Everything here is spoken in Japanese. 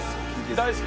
大好き。